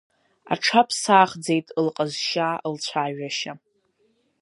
Аҽаԥсахӡеит лҟазшьа, лцәажәашьа.